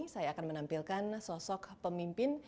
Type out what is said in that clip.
saya akan menampilkan sosok pemimpin